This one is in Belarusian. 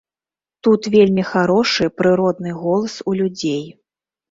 Тут вельмі харошы прыродны голас у людзей.